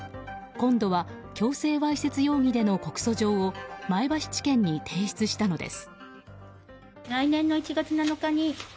今度は強制わいせつ容疑での告訴状を前橋地検に提出したのです。